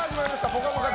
「ぽかぽか」